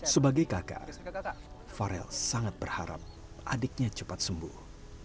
sebagai kakak farel sangat berharap adiknya cepat sembuh